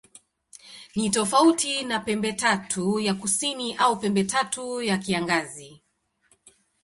Ni tofauti na Pembetatu ya Kusini au Pembetatu ya Kiangazi.